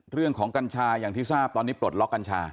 เรื่องของกัญชาอย่างที่ทราบตอนนี้ปลดล็อคกัญชา